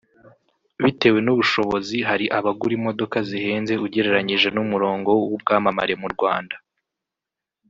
Bitewe n’ubushobozi hari abagura imodoka zihenze ugereranyije n’umurongo w’ubwamamare mu Rwanda